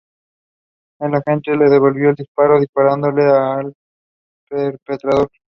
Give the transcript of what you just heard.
La agente le devolvió el disparo, disparándole al perpetrador.